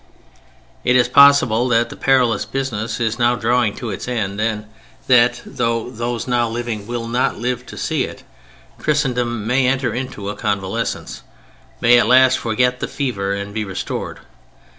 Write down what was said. It is possible that the perilous business is now drawing to its end, and that (though those now living will not live to see it) Christendom may enter into a convalescence: may at last forget the fever and be restored.